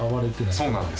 そうなんです。